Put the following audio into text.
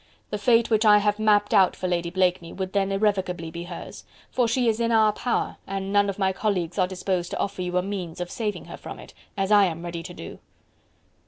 The fate which I have mapped out for Lady Blakeney, would then irrevocably be hers, for she is in our power and none of my colleagues are disposed to offer you a means of saving her from it, as I am ready to do."